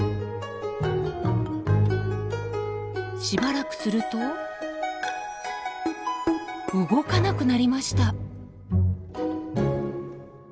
しばらくすると動かなくなりました。